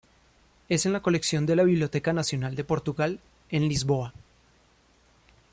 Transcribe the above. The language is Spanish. Es en la colección de la Biblioteca Nacional de Portugal, en Lisboa.